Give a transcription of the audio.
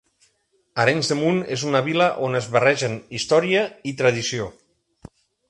Arenys de Munt és una vila on es barregen història i tradició.